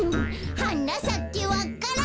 「はなさけわか蘭」